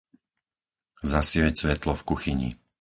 Zasvieť svetlo v kuchyni.